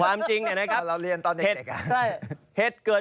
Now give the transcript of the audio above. อันนั้นมันเหตุ